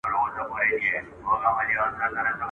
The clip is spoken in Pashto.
د مېړه کورته راوړې وه